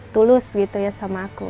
tulus gitu ya sama aku